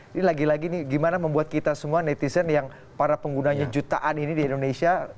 ini lagi lagi nih gimana membuat kita semua netizen yang para penggunanya jutaan ini di indonesia